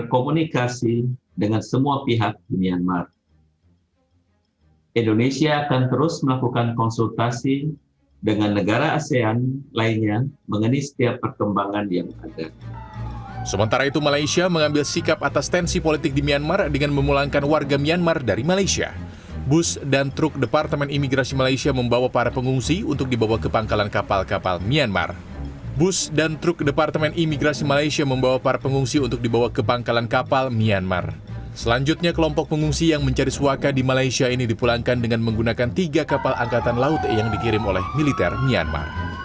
kedutaan besar indonesia di yangon myanmar digeruduk demonstran anti kudeta